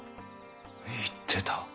言ってた！